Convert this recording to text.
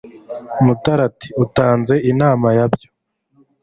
Mutara ati Untanze inama yabyo